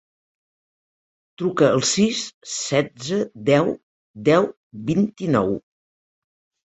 Truca al sis, setze, deu, deu, vint-i-nou.